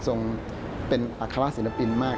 ทรงเป็นอัครศิลปินมาก